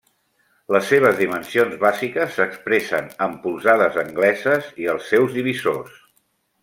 Les seves dimensions bàsiques s'expressen en polzades angleses i els seus divisors.